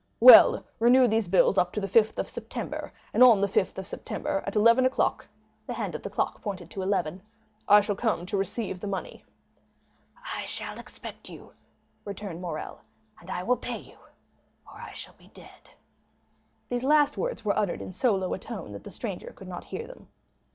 "Well, renew these bills up to the 5th of September; and on the 5th of September at eleven o'clock (the hand of the clock pointed to eleven), I shall come to receive the money." "I shall expect you," returned Morrel; "and I will pay you—or I shall be dead." These last words were uttered in so low a tone that the stranger could not hear them.